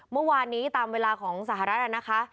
เมื่อวานนี้ตามเวลาของสหรัฐนะคะ